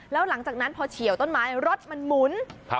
แล้วหลังจากนั้นพอเฉียวต้นไม้รถมันหมุน